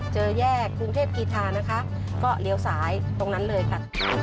แยกกรุงเทพกีธานะคะก็เลี้ยวซ้ายตรงนั้นเลยค่ะ